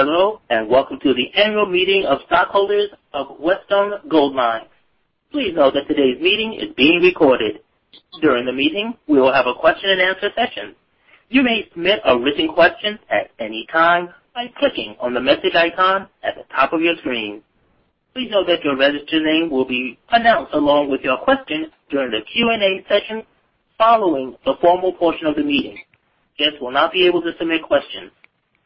Hello, welcome to the annual meeting of stockholders of Wesdome Gold Mines. Please note that today's meeting is being recorded. During the meeting, we will have a question and answer session. You may submit a written question at any time by clicking on the message icon at the top of your screen. Please note that your registered name will be announced along with your question during the Q&A session following the formal portion of the meeting. Guests will not be able to submit questions.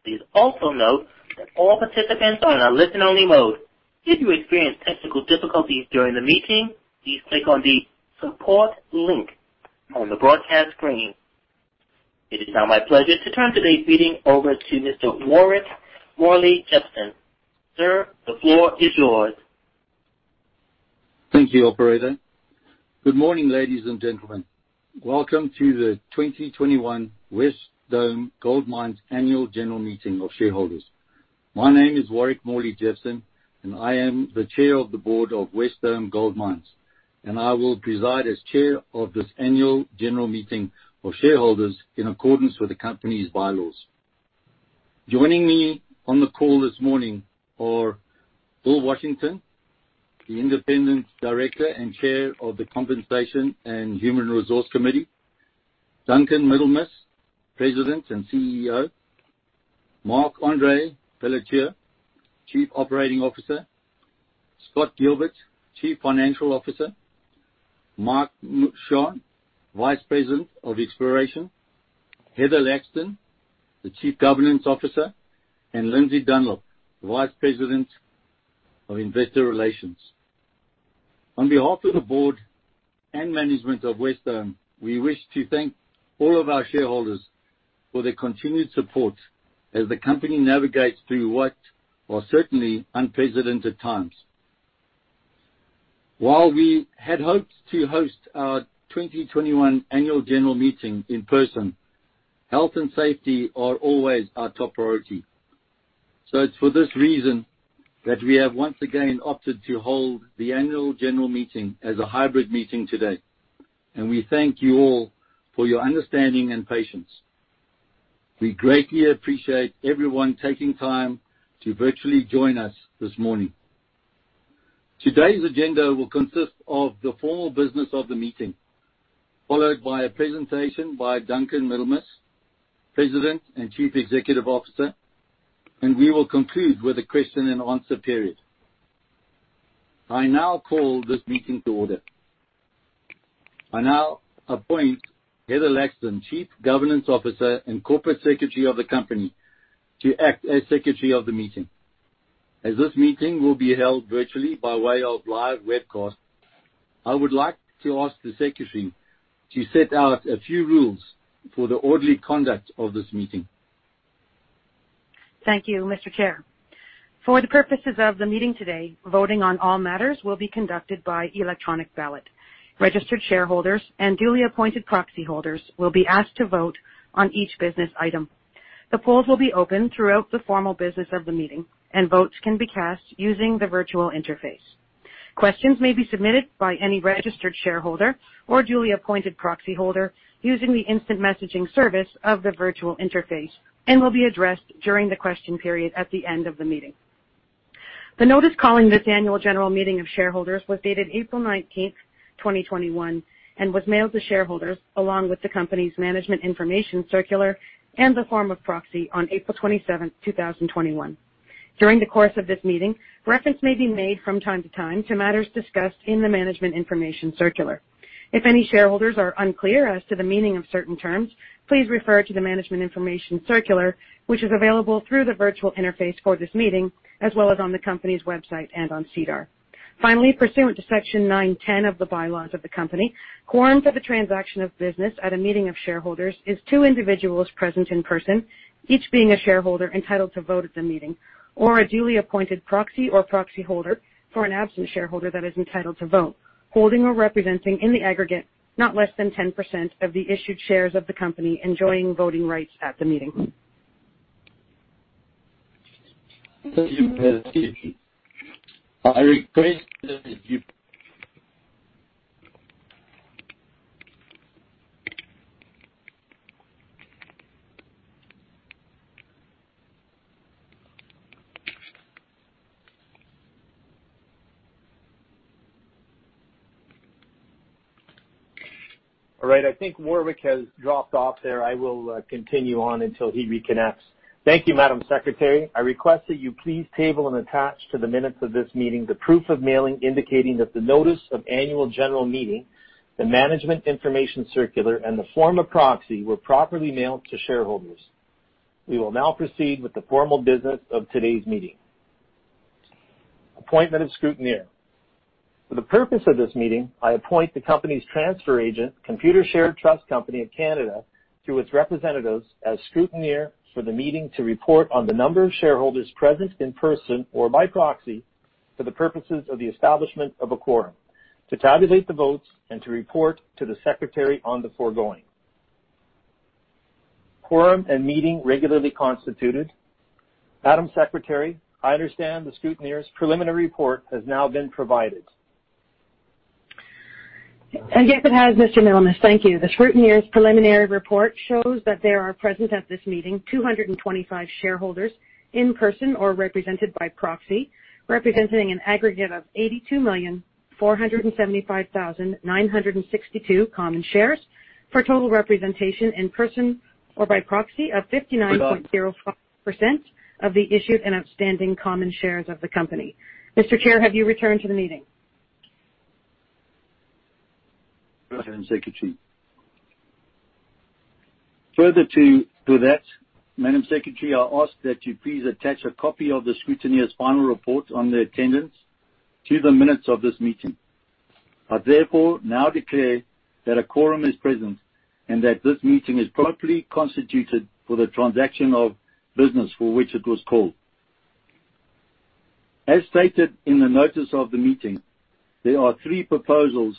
Please also note that all participants are on a listen-only mode. If you experience technical difficulties during the meeting, please click on the support link on the broadcast screen. It is now my pleasure to turn today's meeting over to Mr. Warwick Morley-Jepson. Sir, the floor is yours. Thank you, operator. Good morning, ladies and gentlemen. Welcome to the 2021 Wesdome Gold Mines Annual General Meeting of Shareholders. My name is Warwick Morley-Jepson, and I am the Chair of the Board of Wesdome Gold Mines, and I will preside as chair of this Annual General Meeting of Shareholders in accordance with the company's bylaws. Joining me on the call this morning are Bill Washington, the Independent Director and Chair of the Compensation and Human Resource Committee, Duncan Middlemiss, President and CEO, Marc-Andre Pelletier, Chief Operating Officer, Scott Gilbert, Chief Financial Officer, Mike Michaud, Vice President of Exploration, Heather Laxton, the Chief Governance Officer, and Lindsay Dunlop, Vice President, Investor Relations. On behalf of the board and management of Wesdome, we wish to thank all of our shareholders for their continued support as the company navigates through what are certainly unprecedented times. While we had hoped to host our 2021 annual general meeting in person, health and safety are always our top priority. It's for this reason that we have once again opted to hold the annual general meeting as a hybrid meeting today, and we thank you all for your understanding and patience. We greatly appreciate everyone taking time to virtually join us this morning. Today's agenda will consist of the formal business of the meeting, followed by a presentation by Duncan Middlemiss, President and Chief Executive Officer, and we will conclude with a question and answer period. I now call this meeting to order. I now appoint Heather Laxton, Chief Governance Officer and Corporate Secretary of the company, to act as Secretary of the meeting. As this meeting will be held virtually by way of live webcast, I would like to ask the secretary to set out a few rules for the orderly conduct of this meeting. Thank you, Mr. Chair. For the purposes of the meeting today, voting on all matters will be conducted by electronic ballot. Registered shareholders and duly appointed proxy holders will be asked to vote on each business item. The polls will be open throughout the formal business of the meeting, and votes can be cast using the virtual interface. Questions may be submitted by any registered shareholder or duly appointed proxy holder using the instant messaging service of the virtual interface and will be addressed during the question period at the end of the meeting. The notice calling this annual general meeting of shareholders was dated April 19, 2021, and was mailed to shareholders along with the company's management information circular and the form of proxy on April 27, 2021. During the course of this meeting, reference may be made from time to time to matters discussed in the management information circular. If any shareholders are unclear as to the meaning of certain terms, please refer to the management information circular, which is available through the virtual interface for this meeting, as well as on the company's website and on SEDAR. Finally, pursuant to Section 910 of the bylaws of the company, quorum for the transaction of business at a meeting of shareholders is two individuals present in person, each being a shareholder entitled to vote at the meeting or a duly appointed proxy or proxy holder for an absent shareholder that is entitled to vote, holding or representing in the aggregate not less than 10% of the issued shares of the company enjoying voting rights at the meeting. Thank you. All right. I think Warwick has dropped off there. I will continue on until he reconnects. Thank you, Madam Secretary. I request that you please table and attach to the minutes of this meeting the proof of mailing indicating that the notice of annual general meeting, the management information circular, and the form of proxy were properly mailed to shareholders. We will now proceed with the formal business of today's meeting. Appointment of scrutineer. For the purpose of this meeting, I appoint the company's transfer agent, Computershare Trust Company of Canada, through its representatives as scrutineer for the meeting to report on the number of shareholders present in person or by proxy for the purposes of the establishment of a quorum, to tabulate the votes, and to report to the secretary on the foregoing. Quorum and meeting regularly constituted. Madam Secretary, I understand the scrutineer's preliminary report has now been provided. Yes, it has, Mr. Middlemiss. Thank you. The scrutineer's preliminary report shows that there are present at this meeting 225 shareholders, in person or represented by proxy, representing an aggregate of 82,475,962 common shares, for a total representation in person or by proxy of 59.05% of the issued and outstanding common shares of the company. Mr. Chair, have you returned to the meeting? Madam Secretary. Further to that, Madam Secretary, I ask that you please attach a copy of the scrutineer's final report on the attendance to the minutes of this meeting. I therefore now declare that a quorum is present and that this meeting is properly constituted for the transaction of business for which it was called. As stated in the notice of the meeting, there are three proposals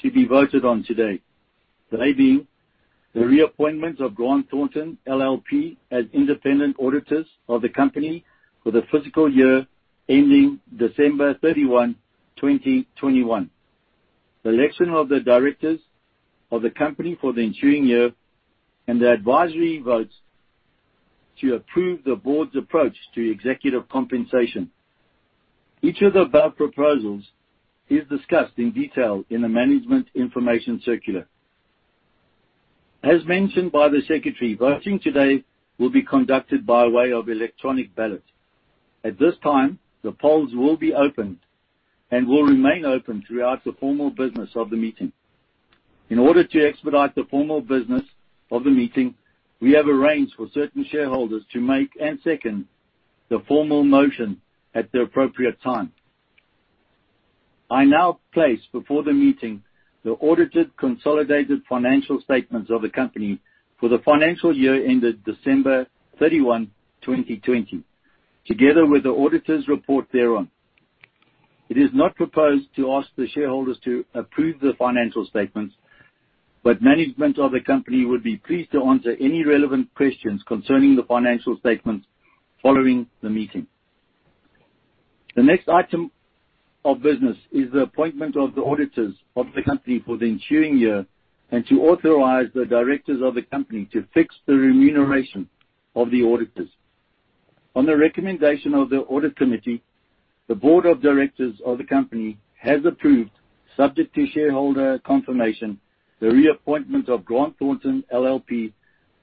to be voted on today. They being the reappointment of Grant Thornton LLP as independent auditors of the company for the fiscal year ending December 31, 2021, the election of the directors of the company for the ensuing year, and the advisory votes to approve the Board's approach to executive compensation. Each of the above proposals is discussed in detail in a management information circular. As mentioned by the secretary, voting today will be conducted by way of electronic ballot. At this time, the polls will be opened and will remain open throughout the formal business of the meeting. In order to expedite the formal business of the meeting, we have arranged for certain shareholders to make and second the formal motion at the appropriate time. I now place before the meeting the audited consolidated financial statements of the company for the financial year ended December 31, 2020, together with the auditor's report thereon. It is not proposed to ask the shareholders to approve the financial statements, but management of the company would be pleased to answer any relevant questions concerning the financial statements following the meeting. The next item of business is the appointment of the auditors of the company for the ensuing year and to authorize the directors of the company to fix the remuneration of the auditors. On the recommendation of the Audit Committee, the Board of Directors of the company has approved, subject to shareholder confirmation, the reappointment of Grant Thornton LLP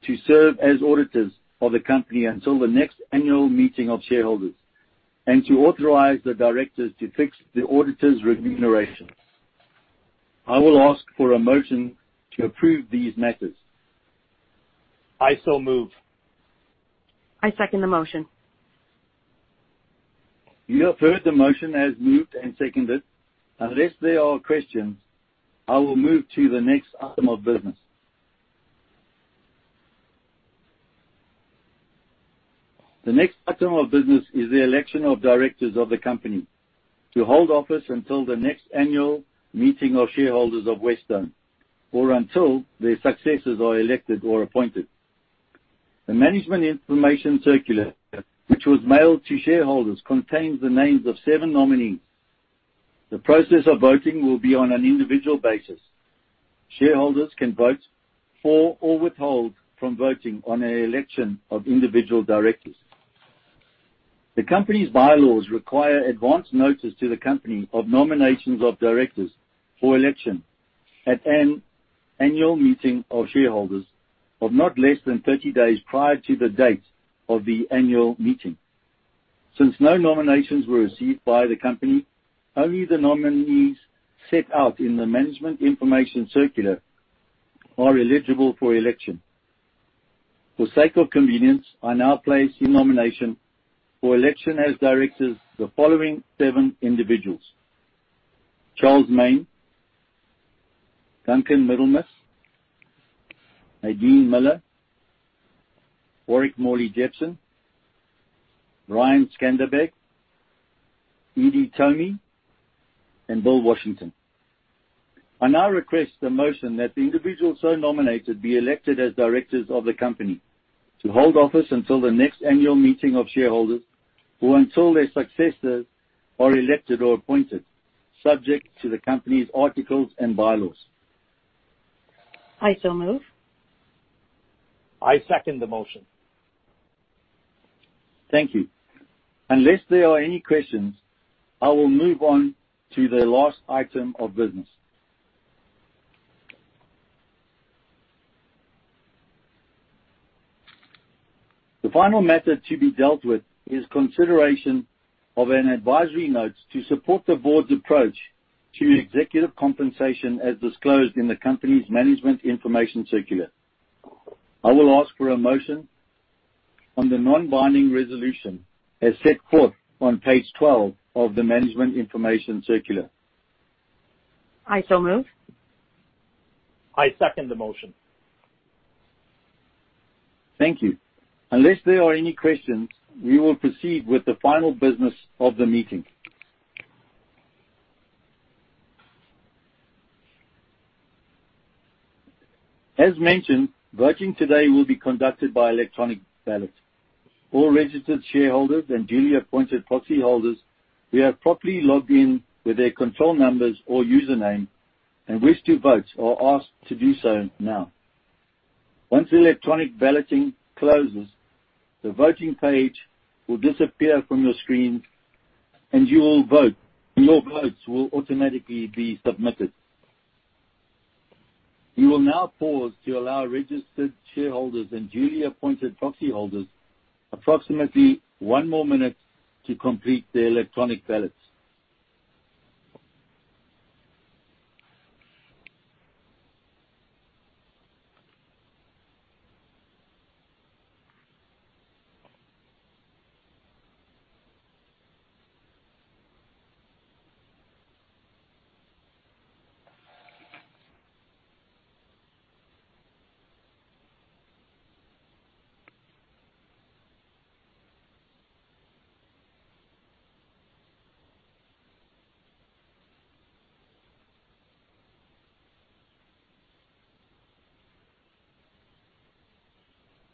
to serve as auditors of the company until the next annual meeting of shareholders and to authorize the directors to fix the auditor's remuneration. I will ask for a motion to approve these matters. I so move. I second the motion. You have heard the motion as moved and seconded. Unless there are questions, I will move to the next item of business. The next item of business is the election of directors of the company to hold office until the next annual meeting of shareholders of Wesdome or until their successors are elected or appointed. The management information circular, which was mailed to shareholders, contains the names of seven nominees. The process of voting will be on an individual basis. Shareholders can vote for or withhold from voting on an election of individual directors. The company's bylaws require advance notice to the company of nominations of directors for election at an annual meeting of shareholders of not less than 30 days prior to the date of the annual meeting. Since no nominations were received by the company, only the nominees set out in the management information circular are eligible for election. For sake of convenience, I now place in nomination for election as directors the following seven individuals: Charles Main, Duncan Middlemiss, Nadine Miller, Warwick Morley-Jepson, Brian Skanderbeg, Edie Thome, and Bill Washington. I now request the motion that the individuals so nominated be elected as directors of the company to hold office until the next annual meeting of shareholders or until their successors are elected or appointed, subject to the company's articles and bylaws. I so move. I second the motion. Thank you. Unless there are any questions, I will move on to the last item of business. The final matter to be dealt with is consideration of an advisory note to support the Board's approach to executive compensation as disclosed in the company's management information circular. I will ask for a motion on the non-binding resolution as set forth on page 12 of the management information circular. I so move. I second the motion. Thank you. Unless there are any questions, we will proceed with the final business of the meeting. Voting today will be conducted by electronic ballot. All registered shareholders and duly appointed proxy holders who have properly logged in with their control numbers or username and wish to vote are asked to do so now. Once electronic balloting closes, the voting page will disappear from your screen and your votes will automatically be submitted. We will now pause to allow registered shareholders and duly appointed proxy holders approximately one more minute to complete their electronic ballots.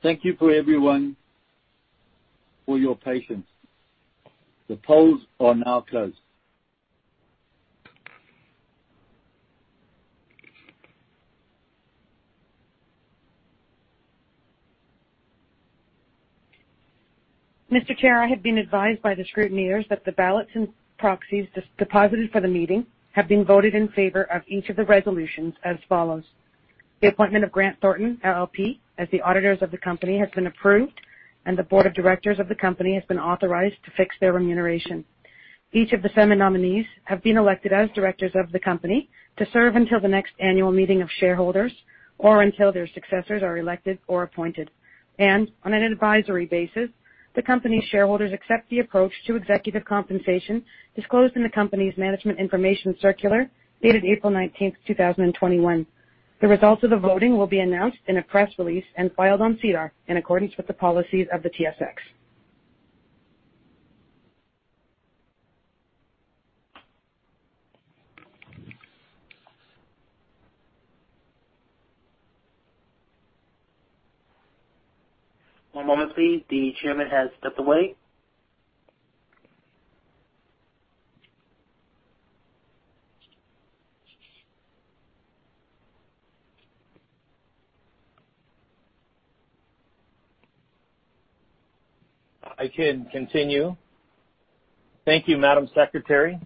Thank you everyone for your patience. The polls are now closed. Mr. Chair, I have been advised by the scrutineers that the ballots and proxies deposited for the meeting have been voted in favor of each of the resolutions as follows. The appointment of Grant Thornton LLP as the auditors of the company has been approved and the board of directors of the company has been authorized to fix their remuneration. Each of the seven nominees have been elected as directors of the company to serve until the next annual meeting of shareholders or until their successors are elected or appointed. On an advisory basis, the company shareholders accept the approach to executive compensation disclosed in the company's management information circular dated April 19th, 2021. The results of the voting will be announced in a press release and filed on SEDAR in accordance with the policies of the TSX. One moment please. The Chairman has the floor. I can continue. Thank you, Madam Secretary.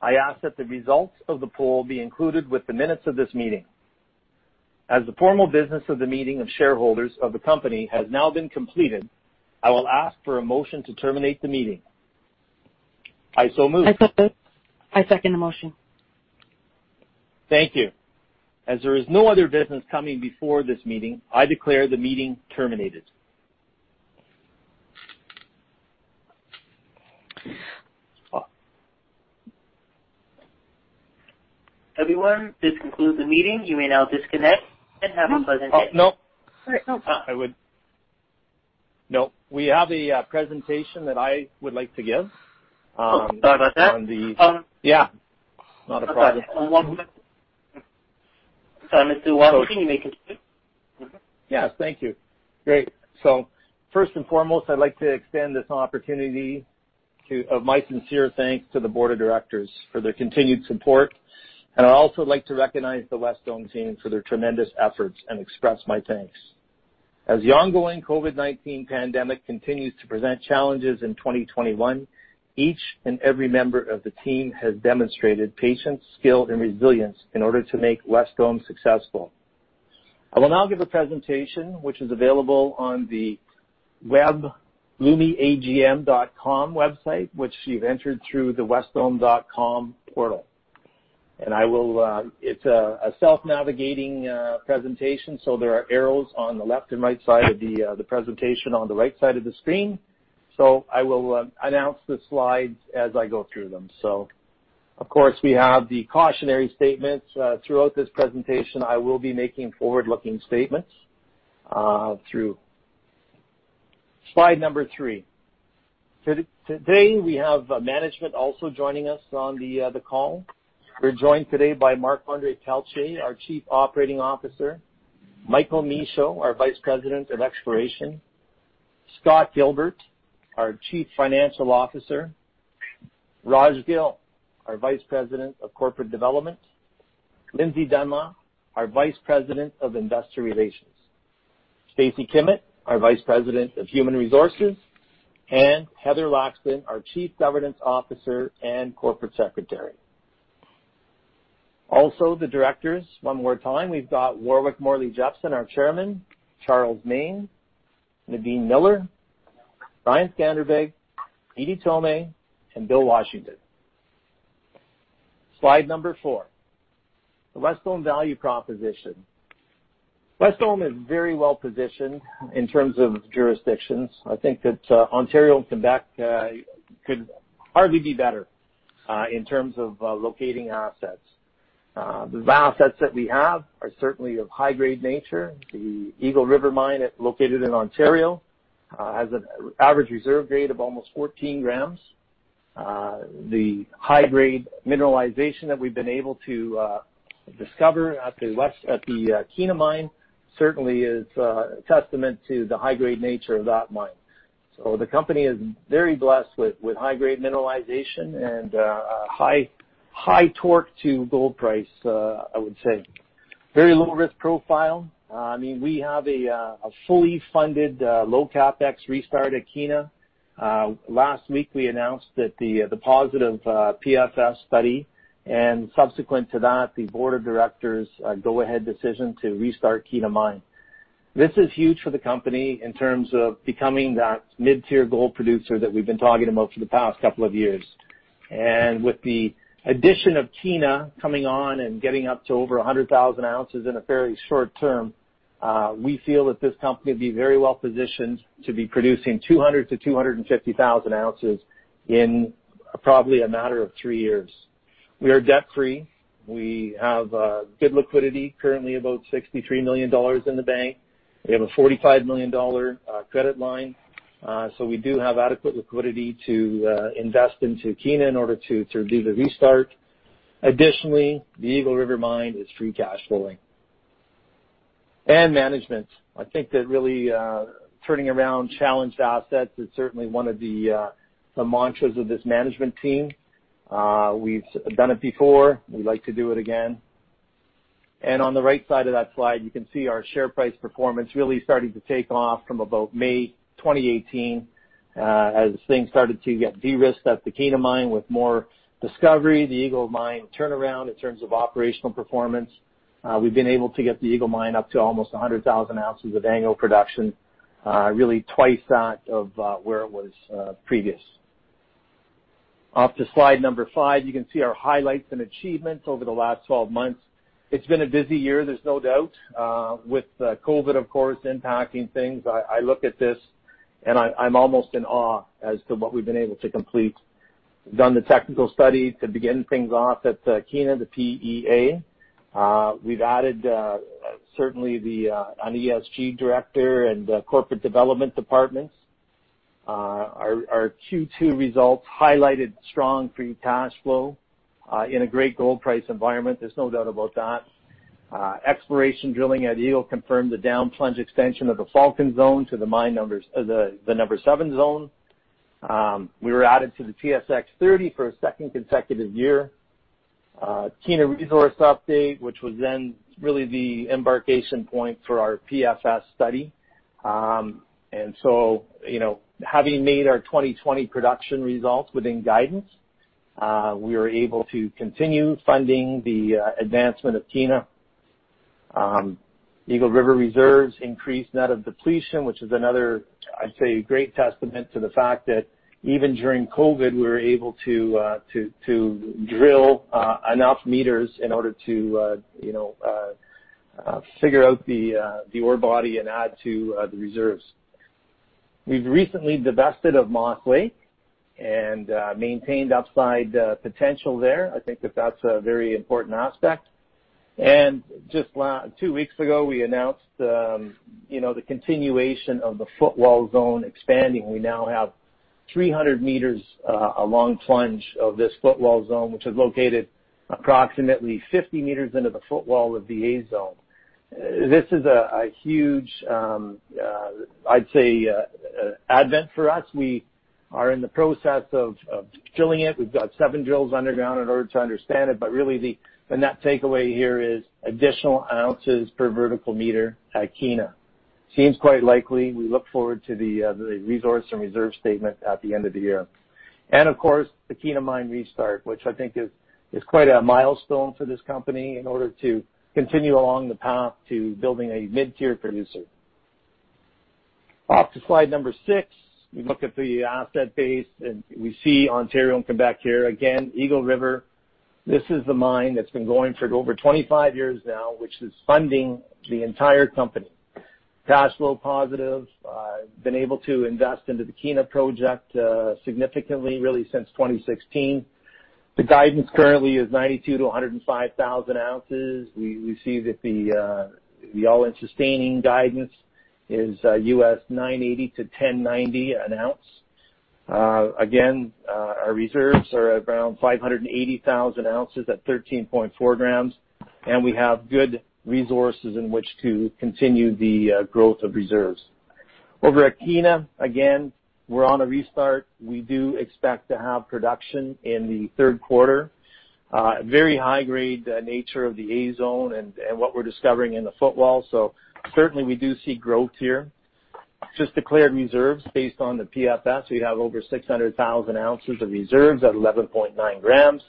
I ask that the results of the poll be included with the minutes of this meeting. As the formal business of the meeting of shareholders of the company has now been completed, I will ask for a motion to terminate the meeting. I so move. I second. I second the motion. Thank you. As there is no other business coming before this meeting, I declare the meeting terminated. Everyone, this concludes the meeting. You may now disconnect and have a pleasant day. No. We have a presentation that I would like to give. Sorry about that. Yeah, not a problem. Mr. Middlemiss, you may continue. Yes. Thank you. Great. First and foremost, I'd like to extend this opportunity of my sincere thanks to the board of directors for their continued support. I'd also like to recognize the Wesdome team for their tremendous efforts and express my thanks. The ongoing COVID-19 pandemic continues to present challenges in 2021, each and every member of the team has demonstrated patience, skill and resilience in order to make Wesdome successful. I will now give a presentation which is available on the web, lumiagm.com website, which you've entered through the wesdome.com portal. It's a self-navigating presentation, so there are arrows on the left and right side of the presentation on the right side of the screen. I will announce the slides as I go through them. Of course, we have the cautionary statements. Throughout this presentation, I will be making forward-looking statements. Slide number three. Today we have management also joining us on the call. We're joined today by Marc-Andre Pelletier, our Chief Operating Officer, Michael Michaud, our Vice President of Exploration, Scott Gilbert, our Chief Financial Officer, Raj Gill, our Vice President of Corporate Development, Lindsay Dunlop, our Vice President of Investor Relations, Stacy Kimmett, our Vice President of Human Resources, and Heather Laxton, our Chief Governance Officer and Corporate Secretary. Also the directors, one more time, we've got Warwick Morley-Jepson, our Chair, Charles Main, Nadine Miller, Brian Skanderbeg, Edie Thome, and Bill Washington. Slide number four, the Wesdome value proposition. Wesdome is very well positioned in terms of jurisdictions. I think that Ontario and Quebec could hardly be better in terms of locating assets. The assets that we have are certainly of high grade nature. The Eagle River Mine located in Ontario has an average reserve grade of almost 14 grams. The high-grade mineralization that we've been able to discover at the Kiena Mine certainly is a testament to the high-grade nature of that mine. The company is very blessed with high-grade mineralization and a high torque to gold price, I would say. Very low risk profile. We have a fully funded low CapEx restart at Kiena. Last week we announced the positive PFS study, and subsequent to that, the Board of Directors go-ahead decision to restart Kiena Mine. This is huge for the company in terms of becoming that mid-tier gold producer that we've been talking about for the past couple of years. With the addition of Kiena coming on and getting up to over 100,000 oz in a very short term, we feel that this company will be very well positioned to be producing 200,000 to 250,000 oz in probably a matter of three years. We are debt-free. We have good liquidity, currently about 63 million dollars in the bank. We have a 45 million dollar credit line. We do have adequate liquidity to invest into Kiena in order to do the restart. Additionally, the Eagle River Mine is free cash flowing. Management, I think that really turning around challenged assets is certainly one of the mantras of this management team. We’ve done it before. We’d like to do it again. On the right side of that slide, you can see our share price performance really starting to take off from about May 2018, as things started to get de-risked at the Kiena Mine with more discovery, the Eagle Mine turnaround in terms of operational performance. We've been able to get the Eagle Mine up to almost 100,000 oz of annual production, really twice that of where it was previous. Off to slide number five, you can see our highlights and achievements over the last 12 months. It's been a busy year, there's no doubt, with COVID, of course, impacting things. I look at this and I'm almost in awe as to what we've been able to complete. We've done the technical study to begin things off at Kiena, the PEA. We've added, certainly an ESG director and Corporate Development departments. Our Q2 results highlighted strong free cash flow in a great gold price environment, there's no doubt about that. Exploration drilling at Eagle River confirmed the down-plunge extension of the Falcon zone to the number 7 zone. We were added to the TSX 30 for a second consecutive year. Kiena resource update, which was then really the embarkation point for our PFS study. Having made our 2020 production results within guidance, we were able to continue funding the advancement of Kiena. Eagle River reserves increased net of depletion, which is another, I'd say, great testament to the fact that even during COVID, we were able to drill enough m in order to figure out the ore body and add to the reserves. We've recently divested of Moss Lake and maintained upside potential there. I think that that's a very important aspect. Just two weeks ago, we announced the continuation of the footwall zone expanding. We now have 300 m along plunge of this footwall zone, which is located approximately 50 m into the footwall of the A zone. This is a huge, I'd say, advent for us. We are in the process of drilling it. We've got seven drills underground in order to understand it, but really the net takeaway here is additional ounces per vertical meter at Kiena. Seems quite likely. We look forward to the resource and reserve statement at the end of the year. Of course, the Kiena Mine restart, which I think is quite a milestone for this company in order to continue along the path to building a mid-tier producer. Off to slide number six. We look at the asset base, and we see Ontario and Quebec here again. Eagle River, this is the mine that's been going for over 25 years now, which is funding the entire company. Cash flow positive, been able to invest into the Kiena project significantly really since 2016. The guidance currently is 92 to 105,000 oz. We see that the all-in sustaining guidance is $980-$1,090 an ounce. Again, our reserves are around 580,000 oz at 13.4 g, and we have good resources in which to continue the growth of reserves. Over at Kiena, again, we're on a restart. We do expect to have production in the third quarter. Very high grade nature of the A zone and what we're discovering in the footwall, certainly we do see growth here. Just declared reserves based on the PFS. We have over 600,000 oz of reserves at 11.9 g.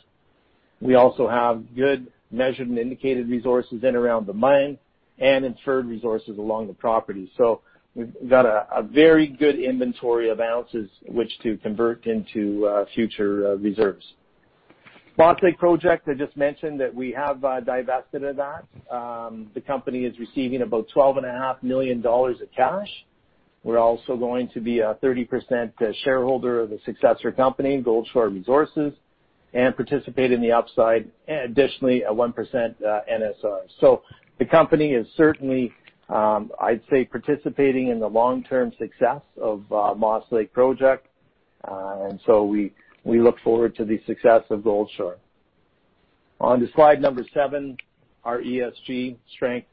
We also have good measured and indicated resources in and around the mine and inferred resources along the property. We've got a very good inventory of ounces which to convert into future reserves. Moss Lake project, I just mentioned that we have divested of that. The company is receiving about 12.5 million dollars of cash. We're also going to be a 30% shareholder of the successor company, Goldshore Resources. Participate in the upside, additionally, a 1% NSR. The company is certainly, I'd say, participating in the long-term success of Moss Lake project. We look forward to the success of Goldshore. On to slide seven, our ESG strength.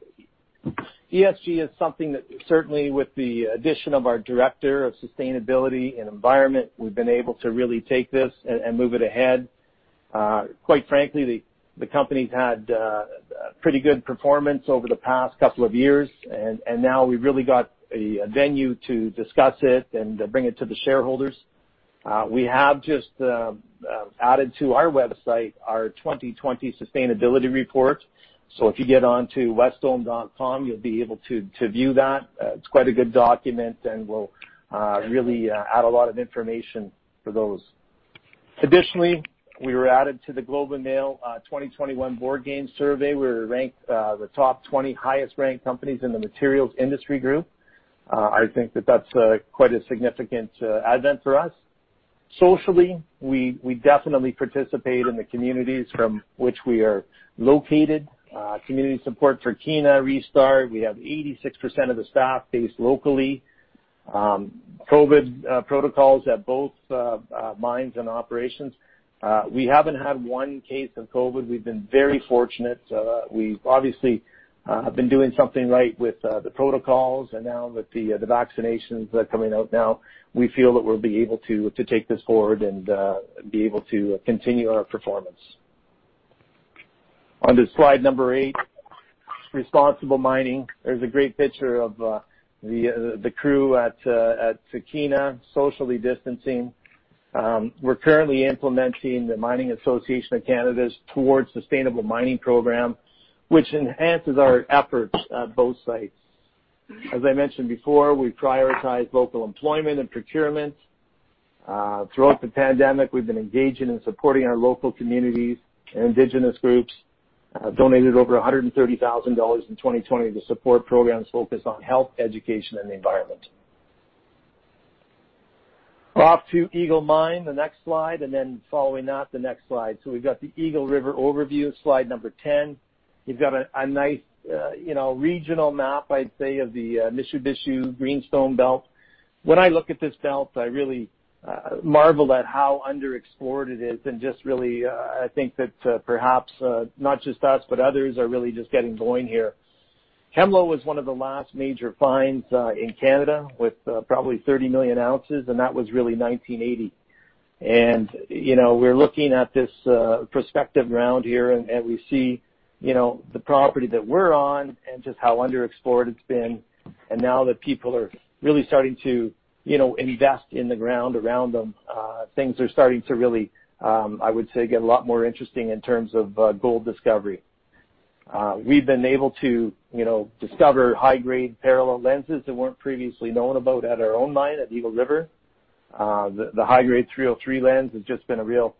ESG is something that, certainly with the addition of our director of sustainability and environment, we've been able to really take this and move it ahead. Quite frankly, the company's had a pretty good performance over the past couple of years, and now we've really got a venue to discuss it and bring it to the shareholders. We have just added to our website our 2020 sustainability report. If you get onto wesdome.com, you'll be able to view that. It's quite a good document and will really add a lot of information for those. Additionally, we were added to The Globe and Mail 2021 Board Games Survey. We were ranked the top 20 highest-ranked companies in the materials industry group. I think that that's quite a significant advent for us. Socially, we definitely participate in the communities from which we are located. Community support for Kiena restart. We have 86% of the staff based locally. COVID protocols at both mines and operations. We haven't had one case of COVID. We've been very fortunate. We obviously have been doing something right with the protocols and now with the vaccinations coming out now, we feel that we'll be able to take this forward and be able to continue our performance. To slide number eight, responsible mining. There's a great picture of the crew at Kiena socially distancing. We're currently implementing the Mining Association of Canada's Towards Sustainable Mining program, which enhances our efforts at both sites. As I mentioned before, we prioritize local employment and procurement. Throughout the pandemic, we've been engaging and supporting our local communities and Indigenous groups. We donated over 130,000 dollars in 2020 to support programs focused on health, education, and the environment. To Eagle Mine, the next slide, then following that, the next slide. We've got the Eagle River overview, slide number 10. You've got a nice regional map, I'd say, of the Mishibishu Greenstone Belt. When I look at this belt, I really marvel at how underexplored it is and just really, I think that perhaps not just us, but others are really just getting going here. Hemlo was one of the last major finds in Canada with probably 30 million ounces, that was really 1980. We're looking at this prospective ground here, and we see the property that we're on and just how underexplored it's been. Now that people are really starting to invest in the ground around them, things are starting to really, I would say, get a lot more interesting in terms of gold discovery. We've been able to discover high-grade parallel lenses that weren't previously known about at our own mine at Eagle River. The high-grade 303 lens has just been a real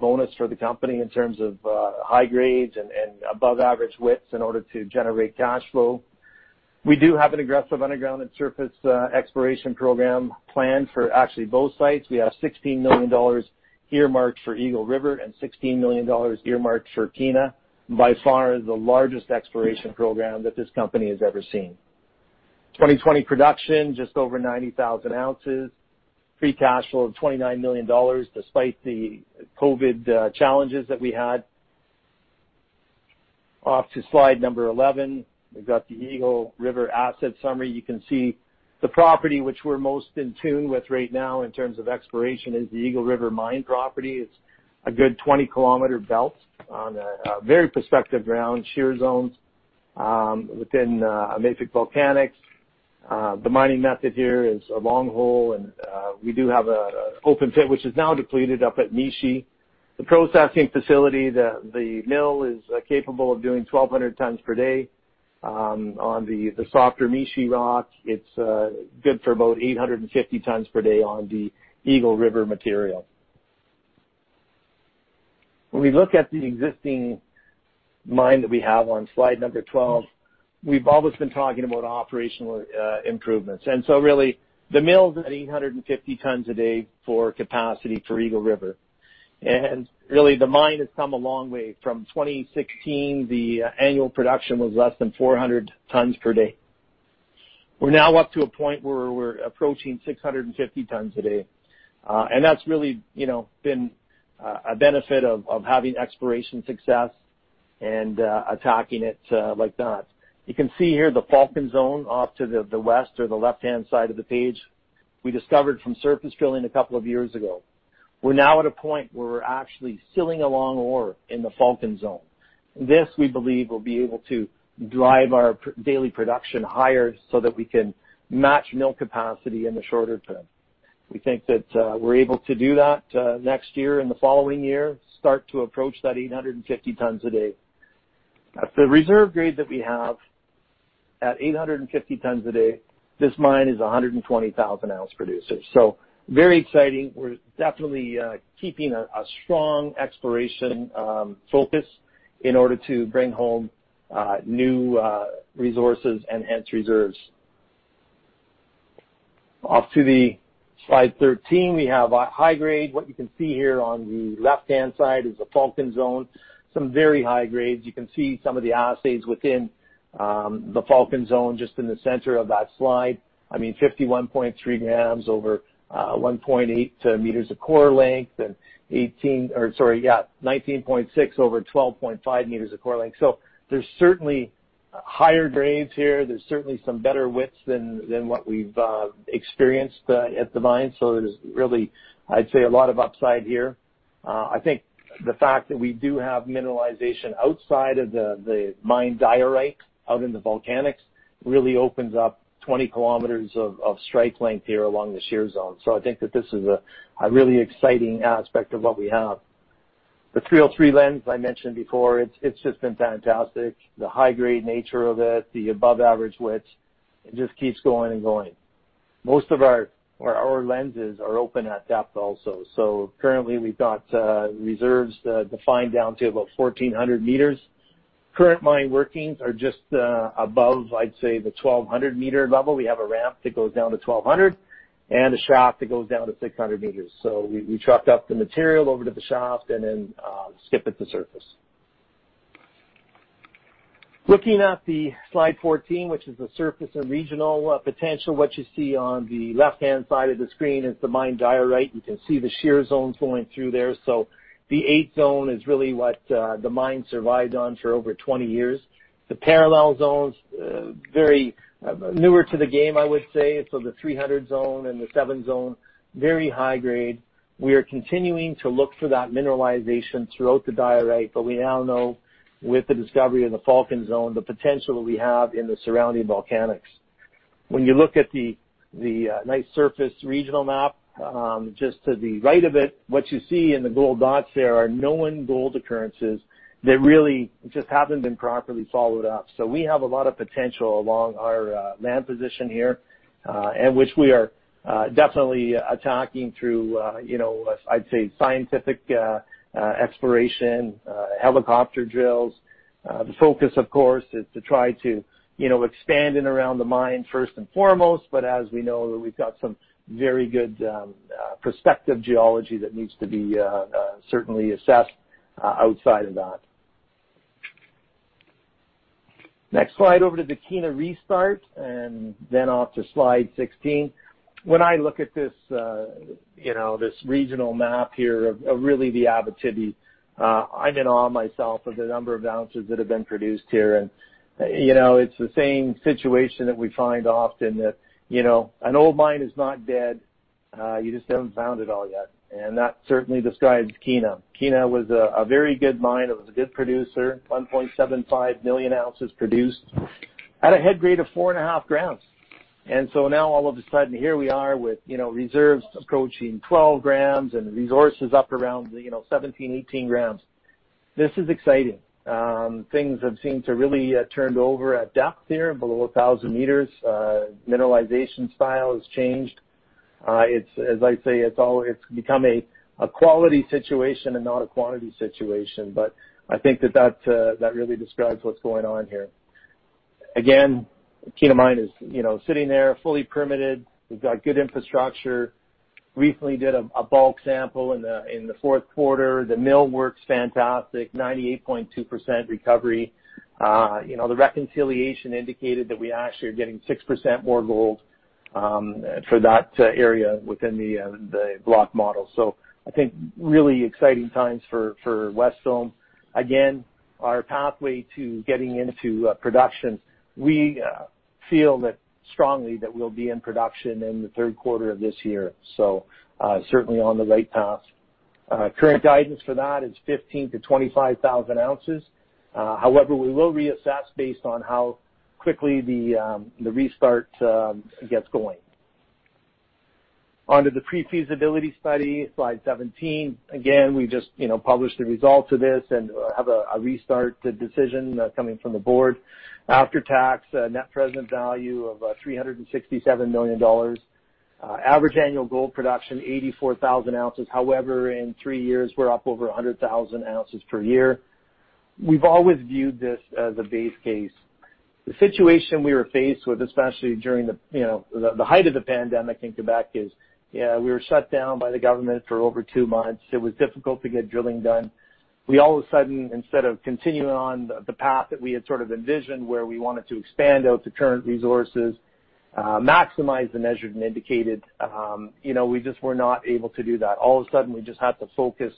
bonus for the company in terms of high grades and above-average widths in order to generate cash flow. We do have an aggressive underground and surface exploration program planned for actually both sites. We have 16 million dollars earmarked for Eagle River and 16 million dollars earmarked for Kiena. By far, the largest exploration program that this company has ever seen. 2020 production, just over 90,000 oz. Free cash flow of 29 million dollars, despite the COVID challenges that we had. Off to slide number 11. We've got the Eagle River asset summary. You can see the property which we're most in tune with right now in terms of exploration is the Eagle River Mine property. It's a good 20 km belt on a very prospective ground, shear zones within mafic volcanics. The mining method here is a long hole, and we do have an open pit, which is now depleted up at Mishi. The processing facility, the mill is capable of doing 1,200 tons per day on the softer Mishi rock. It's good for about 850 tons per day on the Eagle River material. When we look at the existing mine that we have on slide number 12, we've always been talking about operational improvements. Really, the mill's at 850 tons a day for capacity for Eagle River. Really, the mine has come a long way. From 2016, the annual production was less than 400 tons per day. We're now up to a point where we're approaching 650 tons a day, and that's really been a benefit of having exploration success and attacking it like that. You can see here the Falcon Zone off to the west or the left-hand side of the page we discovered from surface drilling a couple of years ago. We're now at a point where we're actually sealing along ore in the Falcon Zone. This, we believe, will be able to drive our daily production higher so that we can match mill capacity in the shorter term. We think that we're able to do that next year and the following year, start to approach that 850 tons a day. At the reserve grade that we have at 850 tons a day, this mine is a 120,000-ounce producer. Very exciting. We're definitely keeping a strong exploration focus in order to bring home new resources and hence reserves. Off to slide 13. We have high grade. What you can see here on the left-hand side is the Falcon Zone, some very high grades. You can see some of the assays within the Falcon Zone just in the center of that slide. I mean, 51.3 g over 1.8 m of core length and 18, or sorry, yeah, 19.6 over 12.5 m of core length. There's certainly higher grades here. There's certainly some better widths than what we've experienced at the mine. There's really, I'd say, a lot of upside here. I think the fact that we do have mineralization outside of the mined diorite out in the volcanics really opens up 20 km of strike length here along the shear zone. I think that this is a really exciting aspect of what we have. The 303 lens I mentioned before, it's just been fantastic. The high-grade nature of it, the above-average width, it just keeps going and going. Most of our lenses are open at depth also. Currently we've got reserves defined down to about 1,400 m. Current mine workings are just above, I'd say, the 1,200 m level. We have a ramp that goes down to 1,200 and a shaft that goes down to 600 m. We trucked up the material over to the shaft and then skip at the surface. Looking at the slide 14, which is the surface and regional potential, what you see on the left-hand side of the screen is the mined diorite. You can see the shear zones going through there. The 8 zone is really what the mine survived on for over 20 years. The parallel zones, very newer to the game, I would say. The 300 zone and the 7 zone, very high grade. We are continuing to look for that mineralization throughout the diorite, but we now know with the discovery of the Falcon Zone, the potential that we have in the surrounding volcanics. When you look at the nice surface regional map, just to the right of it, what you see in the gold dots there are known gold occurrences that really just haven't been properly followed up. We have a lot of potential along our land position here, and which we are definitely attacking through, I'd say, scientific exploration, helicopter drills. The focus of course is to try to expand in around the mine first and foremost, but as we know, we've got some very good prospective geology that needs to be certainly assessed outside of that. Next slide over to the Kiena restart. Off to slide 16. When I look at this regional map here of really the Abitibi, I am in awe myself of the number of ounces that have been produced here. It is the same situation that we find often that an old mine is not dead, you just haven't found it all yet. That certainly describes Kiena. Kiena was a very good mine. It was a good producer, 1.75 million ounces produced at a head grade of four and a half grams. Now all of a sudden, here we are with reserves approaching 12 grams and resources up around 17, 18 g. This is exciting. Things have seemed to really turn over at depth here below 1,000 m. Mineralization style has changed. As I say, it has become a quality situation, not a quantity situation. I think that really describes what's going on here. Kiena Mine is sitting there fully permitted. We've got good infrastructure. Recently did a bulk sample in the fourth quarter. The mill work's fantastic, 98.2% recovery. The reconciliation indicated that we actually are getting 6% more gold for that area within the block model. I think really exciting times for Wesdome. Our pathway to getting into production, we feel strongly that we'll be in production in the third quarter of this year. Certainly on the right path. Current guidance for that is 15,000-25,000 oz. We will reassess based on how quickly the restart gets going. On to the pre-feasibility study, slide 17. We just published the results of this and have a restart decision coming from the board. After-tax net present value of 367 million dollars. Average annual gold production, 84,000 ounces. In three years, we're up over 100,000 ounces per year. We've always viewed this as a base case. The situation we were faced with, especially during the height of the pandemic in Québec is, we were shut down by the government for over two months. It was difficult to get drilling done. We all of a sudden, instead of continuing on the path that we had sort of envisioned where we wanted to expand out the current resources, maximize the measured and indicated, we just were not able to do that. All of a sudden, we just had to focus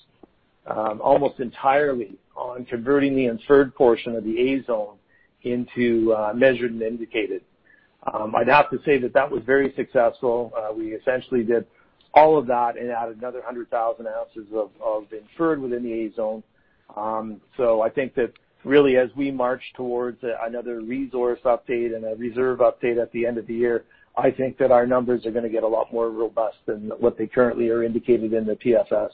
almost entirely on converting the inferred portion of the A Zone into measured and indicated. I'd have to say that that was very successful. We essentially did all of that and added another 100,000 oz of inferred within the A Zone. I think that really as we march towards another resource update and a reserve update at the end of the year, I think that our numbers are going to get a lot more robust than what they currently are indicated in the PFS.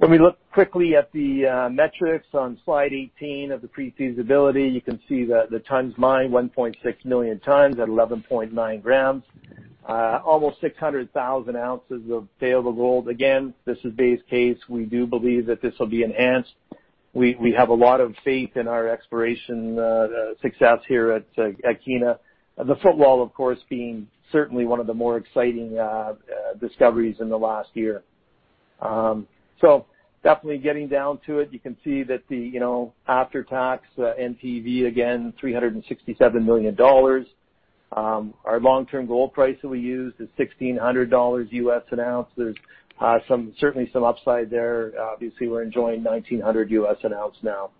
When we look quickly at the metrics on slide 18 of the pre-feasibility, you can see the tonnes mined, 1.6 million tonnes at 11.9 g. Almost 600,000 oz of payable gold. Again, this is base case. We do believe that this will be enhanced. We have a lot of faith in our exploration success here at Kiena. The footwall, of course, being certainly one of the more exciting discoveries in the last year. Definitely getting down to it, you can see that the after-tax NPV, again, 367 million dollars. Our long-term gold price that we used is $1,600 an ounce. There's certainly some upside there. Obviously, we're enjoying $1,900 an ounce now.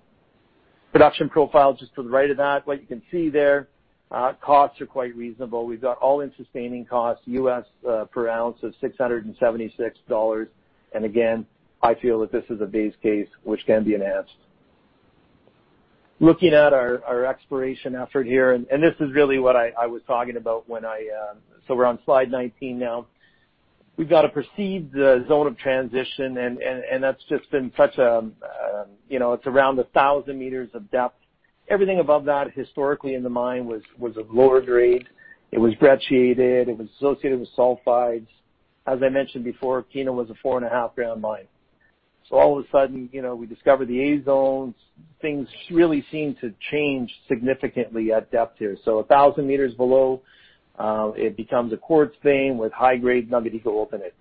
Production profile, just to the right of that, what you can see there, costs are quite reasonable. We've got all-in sustaining costs, U.S. per ounce of $676. Again, I feel that this is a base case which can be enhanced. Looking at our exploration effort here, this is really what I was talking about. We're on slide 19 now. We've got a perceived zone of transition, it's around 1,000 m of depth. Everything above that, historically in the mine, was of lower grade. It was brecciated. It was associated with sulfides. As I mentioned before, Kiena was a four-and-a-half-gram mine. All of a sudden, we discover the A zones. Things really seem to change significantly at depth here. 1,000 m below, it becomes a quartz vein with high-grade number, you can open it.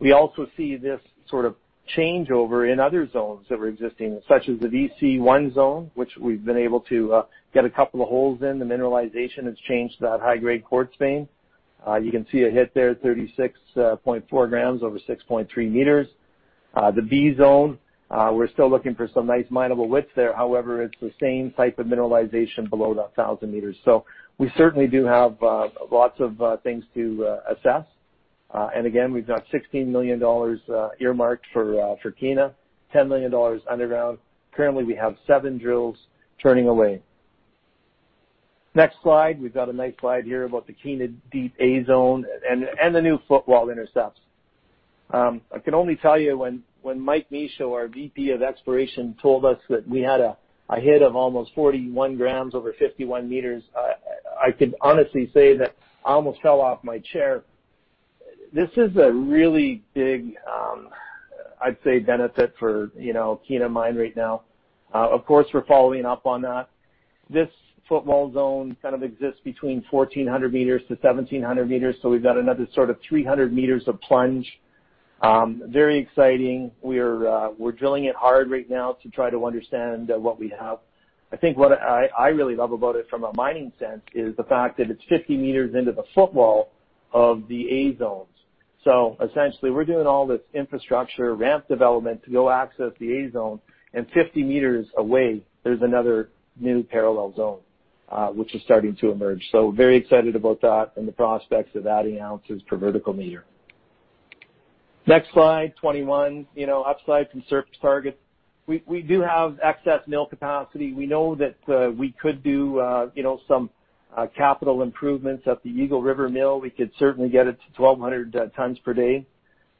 We also see this sort of changeover in other zones that were existing, such as the VC-1 zone, which we've been able to get a couple of holes in. The mineralization has changed to that high-grade quartz vein. You can see a hit there, 36.4 g over 6.3 m. The B zone, we're still looking for some nice mineable widths there. However, it's the same type of mineralization below that 1,000 m. We certainly do have lots of things to assess. Again, we've got 16 million dollars earmarked for Kiena, 10 million dollars underground. Currently, we have seven drills turning away. Next slide. We've got a nice slide here about the Kiena Deep A Zone and the new footwall intercepts. I can only tell you when Mike Michaud, our VP of Exploration, told us that we had a hit of almost 41 grams over 51 m, I can honestly say that I almost fell off my chair. This is a really big, I'd say, benefit for Kiena Mine right now. Of course, we're following up on that. This footwall zone kind of exists between 1,400 m to 1,700 m, we've got another sort of 300 m of plunge. Very exciting. We're drilling it hard right now to try to understand what we have. I think what I really love about it from a mining sense is the fact that it's 50 m into the footwall of the A zones. Essentially, we're doing all this infrastructure ramp development to go access the A zone, and 50 m away, there's another new parallel zone, which is starting to emerge. Very excited about that and the prospects of adding ounces per vertical meter. Next slide, 21. Upside from surface targets. We do have excess mill capacity. We know that we could do some capital improvements at the Eagle River Mill. We could certainly get it to 1,200 tons per day.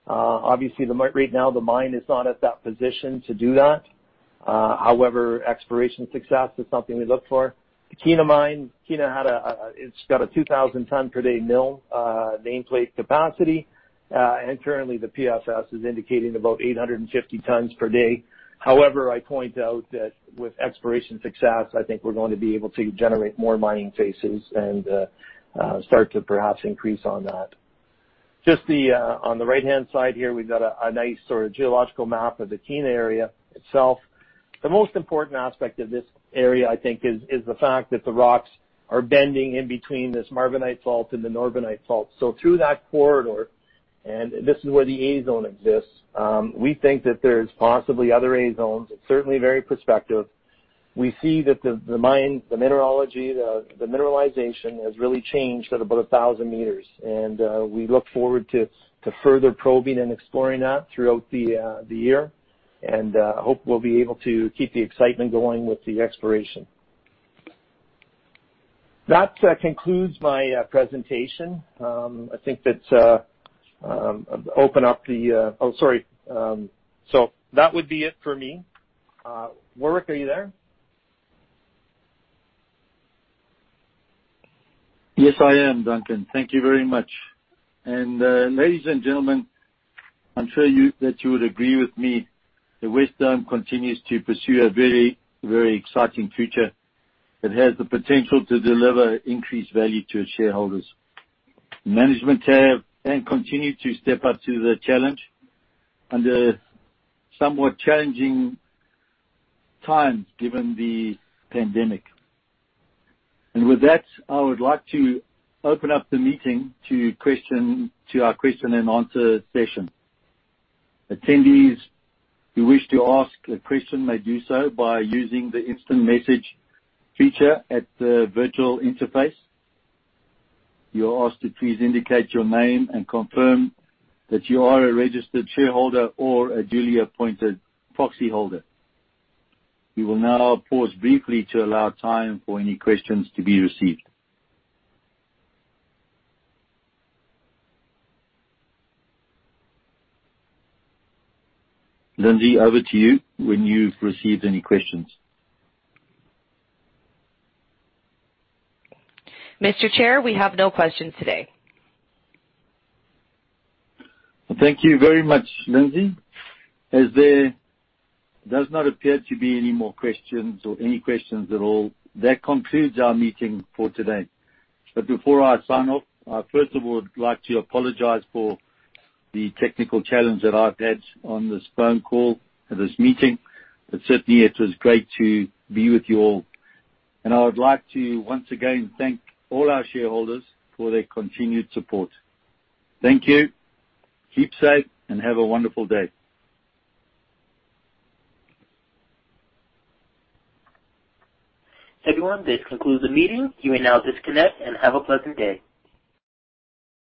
Obviously, right now, the mine is not at that position to do that. However, exploration success is something we look for. The Kiena Mine, Kiena, it's got a 2,000-ton-per-day mill nameplate capacity. Currently, the PFS is indicating about 850 tons per day. However, I point out that with exploration success, I think we're going to be able to generate more mining phases and start to perhaps increase on that. Just on the right-hand side here, we've got a nice sort of geological map of the Kiena area itself. The most important aspect of this area, I think, is the fact that the rocks are bending in between this Marbenite Fault and the Norbenite Fault. Through that corridor, and this is where the A zone exists, we think that there's possibly other A zones. It's certainly very prospective. We see that the mine, the mineralogy, the mineralization has really changed at about 1,000 m, and we look forward to further probing and exploring that throughout the year. Hope we'll be able to keep the excitement going with the exploration. That concludes my presentation. Oh, sorry. That would be it for me. Warwick, are you there? Yes, I am, Duncan. Thank you very much. Ladies and gentlemen, I'm sure that you would agree with me that Wesdome continues to pursue a very, very exciting future that has the potential to deliver increased value to its shareholders. Management have and continue to step up to the challenge under somewhat challenging times, given the pandemic. With that, I would like to open up the meeting to our question and answer session. Attendees who wish to ask a question may do so by using the instant message feature at the virtual interface. You are asked to please indicate your name and confirm that you are a registered shareholder or a duly appointed proxyholder. We will now pause briefly to allow time for any questions to be received. Lindsay, over to you when you've received any questions. Mr. Chair, we have no questions today. Thank you very much, Lindsay. As there does not appear to be any more questions or any questions at all, that concludes our meeting for today. Before I sign off, I first of all would like to apologize for the technical challenge that I've had on this phone call for this meeting. Certainly, it was great to be with you all. I would like to once again thank all our shareholders for their continued support. Thank you. Keep safe, and have a wonderful day. Everyone, this concludes the meeting. You may now disconnect and have a pleasant day.